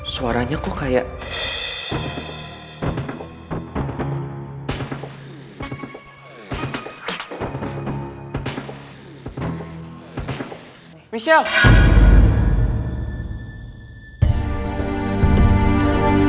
jadi gak usah bikin malu ya tolong